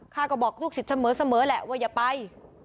ข้าก็บอกลูกศิษย์เสมอแหละว่าอย่าไป